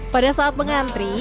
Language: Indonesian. pada saat pengantri